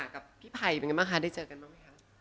กับพี่ไผ่เป็นไงบ้างคะได้เจอกันบ้างไหมคะ